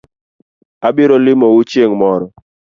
Abiro limo u chieng’ moro